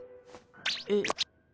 えっ？